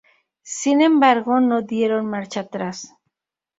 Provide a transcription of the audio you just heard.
Sin embargo, no dieron marcha atrás.